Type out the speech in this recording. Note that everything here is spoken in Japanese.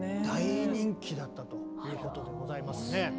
大人気だったということでございますね。